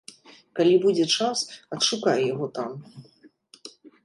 Калі будзе час, адшукай яго там.